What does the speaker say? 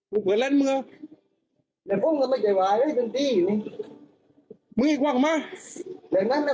กูเปลือนเล่นเมื่อเดี๋ยวมาเจ๋ะส่วนจับหวายล่ะด้านดีอย่างนี้